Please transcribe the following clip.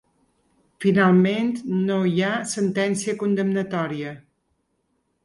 Finalment, no hi ha sentència condemnatòria.